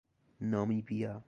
نامیبیا